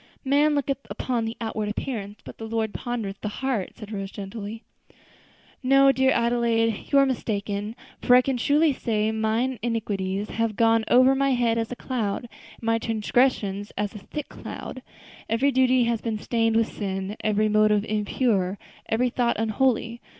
"Man looketh upon the outward appearance, but the Lord pondereth the heart," said Rose, gently. "No, dear Adelaide, you are mistaken; for I can truly say 'mine iniquities have gone over my head as a cloud, and my transgressions as a thick cloud.' Every duty has been stained with sin, every motive impure, every thought unholy.